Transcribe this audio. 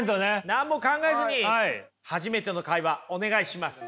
何も考えずに初めての会話お願いします。